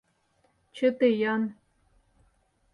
Чыте-ян.